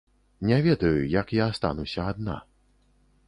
Не ведаю, як я астануся адна.